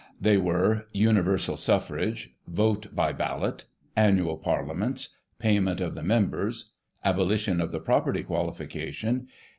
They were : Universal SuflFrage. Vote by Ballot. Annual Parlieiments. Payment of the Members. Abolition of the Property Qualification.